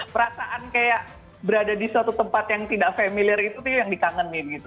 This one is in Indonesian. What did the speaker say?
perasaan kayak berada di suatu tempat yang tidak familiar itu tuh yang dikangenin gitu